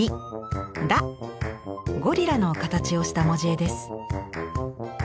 「ゴリラ」の形をした文字絵です。